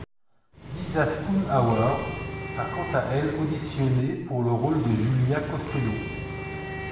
Lisa Spoonhauer a quant à elle auditionné pour le rôle de Julia Costello.